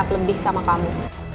lebih sama kamu